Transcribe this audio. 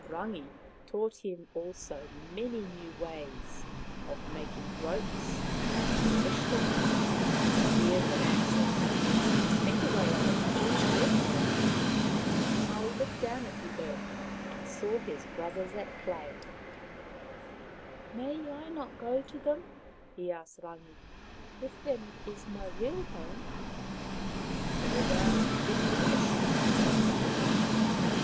Rangi taught him also many new ways of making ropes and fish hooks, spears and axes — better ways than any earth man knew. Maui looked down on the earth and saw his </• THE SEA WEEDS PROTECT MAUI. 81 Maui 83 brothers at play. " May I not go to them ?" he asked Rangi. " With them is my real home/' " Go down if you wish," replied Rangi.